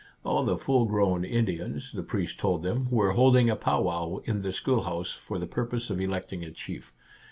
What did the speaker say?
All the full grown Indians, the priest told them, were holding a pow wow in the schoolhouse, for the purpose of electing a chief.